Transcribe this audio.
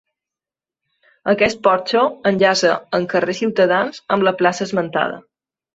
Aquest porxo enllaça en Carrer Ciutadans amb la plaça esmentada.